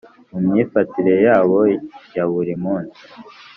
mu myifatire yabo ya buri munsi